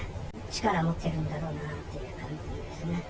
力持ってるんだろうなっていう感じですね。